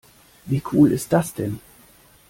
Wie cool ist das denn?